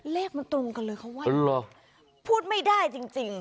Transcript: เลขมันตรงกันเลยเขาว่าพูดไม่ได้จริง